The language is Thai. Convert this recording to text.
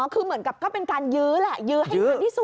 คือเหมือนกับก็เป็นการยื้อแหละยื้อให้นานที่สุด